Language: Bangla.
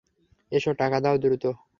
এসো, টাকা দাও দ্রুত করো।